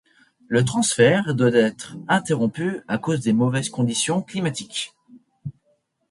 Le transfert doit être interrompu à cause des mauvaises conditions climatiques.